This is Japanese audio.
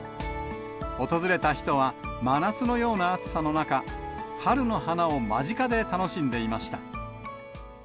訪れた人は、真夏のような暑さの中、春の花を間近で楽しんでいました。